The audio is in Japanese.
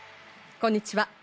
こんにちは。